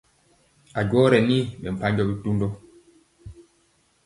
A jɔ ye yi ɓɛ mpanjɔ bitundɔ.